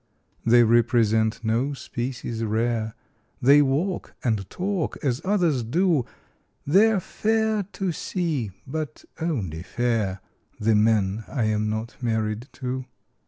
They represent no species rare, They walk and talk as others do; They're fair to see but only fair The men I am not married to.